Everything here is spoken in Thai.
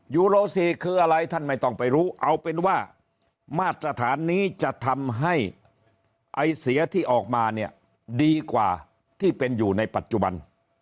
ยูโร๔คืออะไรท่านไม่ต้องไปรู้เอาเป็นว่ามาตรฐานนี้จะทำให้ไอเสียที่ออกมาเนี่ยดีกว่าที่เป็นอยู่ในปัจจุบัน